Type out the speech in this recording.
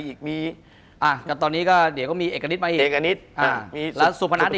คุณผู้ชมบางท่าอาจจะไม่เข้าใจที่พิเตียร์สาร